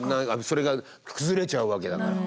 それが崩れちゃうわけだから。